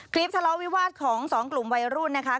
ทะเลาวิวาสของสองกลุ่มวัยรุ่นนะคะ